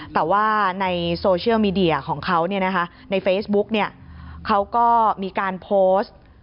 แต่ว่าในโซเชียลมีเดียของเขาในเฟซบุ๊กเขาก็มีการโพสต์